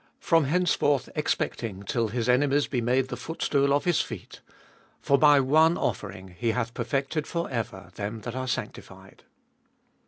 From henceforth expecting till his enemies be made the footstool of his feet. 14. For by one offering he hath perfected for ever them that are sanctified.